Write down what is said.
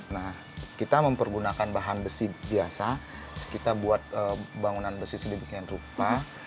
nah kita mempergunakan bahan besi biasa kita buat bangunan besi sedemikian rupa